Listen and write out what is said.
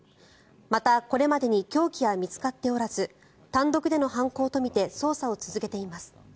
また、これまでに凶器は見つかっておらず単独での犯行とみて捜査を続けています。